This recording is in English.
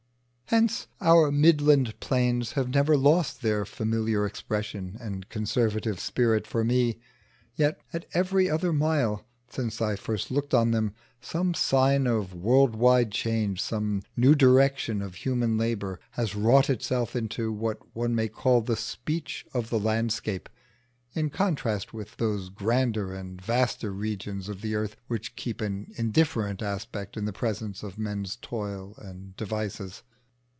Hence our midland plains have never lost their familiar expression and conservative spirit for me; yet at every other mile, since I first looked on them, some sign of world wide change, some new direction of human labour has wrought itself into what one may call the speech of the landscape in contrast with those grander and vaster regions of the earth which keep an indifferent aspect in the presence of men's toil and devices.